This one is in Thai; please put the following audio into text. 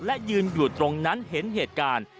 และยืนอยู่ตรงนั้นเห็นเหตุการณ์